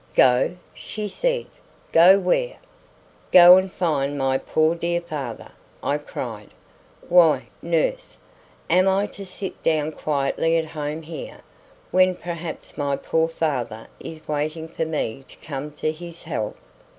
"Go!" she said. "Go where?" "Go and find my poor dear father," I cried. "Why, nurse, am I to sit down quietly at home here, when perhaps my poor father is waiting for me to come to his help?"